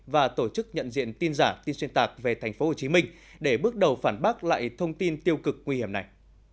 và tổ chức nhận diện tin giả tin xuyên tạc về tp hcm để bước đầu phản bác lại thông tin tiêu cực nguy hiểm này